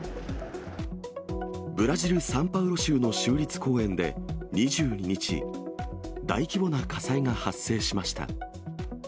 ブラジル・サンパウロ州の州立公園で２２日、大規模な火災が発生しました。